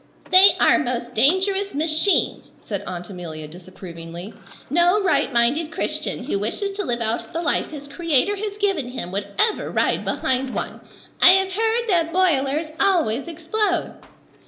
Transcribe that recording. "They are most dangerous machines," said Aunt Amelia disapprovingly. "No right minded Christian who wishes to live out the life his Creator has given him would ever ride behind one. I have heard that boilers always explode."